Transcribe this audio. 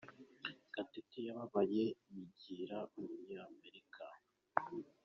Gatete yababaye yigira umunyamerika